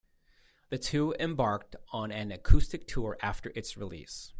The two embarked on an acoustic tour after its release.